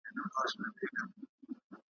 له رباب څخه به هېر نوم د اجل وي `